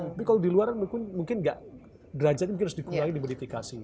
tapi kalau di luar mungkin derajatnya harus dikurangi di modifikasi